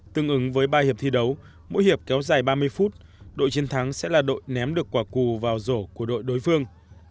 tương ứng với ba hiệp thi đấu mỗi hiệp kéo dài ba mươi phút đội chiến thắng sẽ là đội ném được quả cù vào rổ của đội đối phương